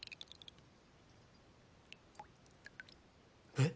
えっ？